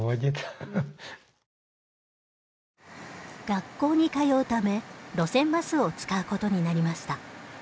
学校に通うため路線バスを使うことになりました。